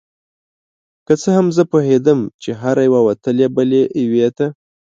که څه هم زه پوهیدم چې هره یوه وتلې بلې یوې ته